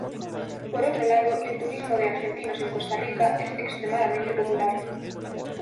Por otro lado, el turismo de argentinos en Costa Rica es extremadamente popular.